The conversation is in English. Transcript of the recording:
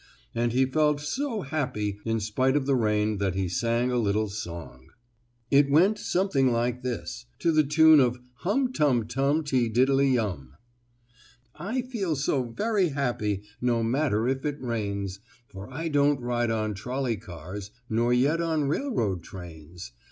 And he felt so happy in spite of the rain that he sang a little song. Illustration: Uncle Wiggily and the Eel It went something like this, to the tune of "Hum tum tum ti tiddle i um:" "I feel so very happy, No matter if it rains, For I don't ride on trolley cars, Nor yet on railroad trains.